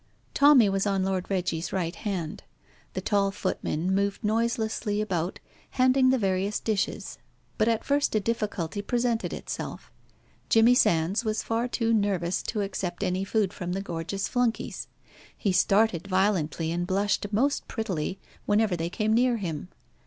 Tommy was on Lord Reggie's right hand. The tall footmen moved noiselessly about handing the various dishes, but at first a difficulty presented itself. Jimmy Sands was far too nervous to accept any food from the gorgeous flunkeys. He started violently and blushed most prettily whenever they came near him.